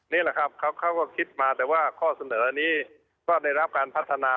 นี่แหละครับเขาก็คิดมาแต่ว่าข้อเสนอนี้ก็ได้รับการพัฒนา